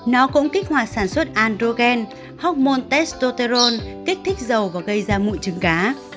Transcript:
nó cũng kích hoạt sản xuất androgen hormôn testosterone kích thích dầu có gây ra mụn trứng cá